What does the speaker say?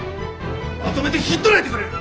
まとめてひっ捕らえてくれる！